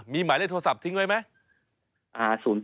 มีหมายเลขโทรศัพท์ทิ้งไว้ไหม